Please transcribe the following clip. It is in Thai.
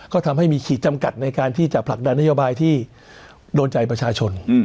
ก็ทำให้มีขีดจำกัดในการที่จะผลักดันนโยบายที่โดนใจประชาชน